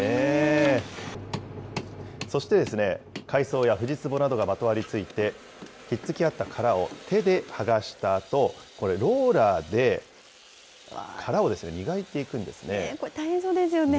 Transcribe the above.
そしてですね、海藻やフジツボなどがまとわりついて、ひっつきあった殻を手で剥がしたあと、これ、ローラーで、殻を磨これ、大変そうですよね。